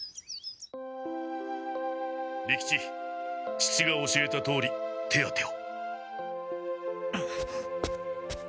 父が教えたとおり手当てを。